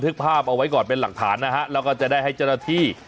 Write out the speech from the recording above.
ภาพเอาไว้ก่อนเป็นหลักฐานนะฮะแล้วก็จะได้ให้เจ้าหน้าที่